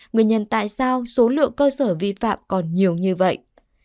nguyên nhân tại sao số lượng cơ sở vi phạm còn nhiều như vậy